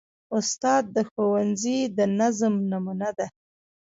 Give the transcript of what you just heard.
استاد د ښوونځي د نظم نمونه ده.